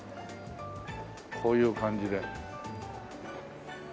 こういう感じで。